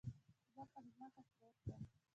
زه پر ځمکه پروت يم.